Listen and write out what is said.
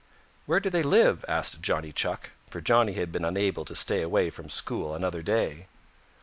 "Where do they live?" asked Johnny Chuck, for Johnny had been unable to stay away from school another day.